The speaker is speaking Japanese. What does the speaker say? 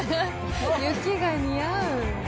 雪が似合う。